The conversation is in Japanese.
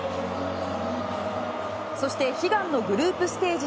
そして悲願のグループステージ